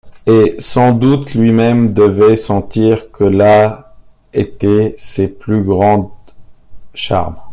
Et sans doute lui-même devait sentir que là étaient ses plus grands charmes.